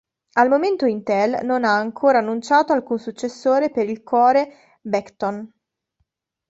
Al momento Intel non ha ancora annunciato alcun successore per il core Beckton.